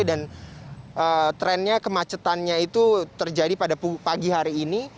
dan trennya kemacetannya itu terjadi pada pagi hari ini